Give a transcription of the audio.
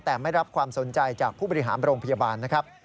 แต่ไม่รับความสนใจจากผู้บริหารโรงพยาบาลนะครับ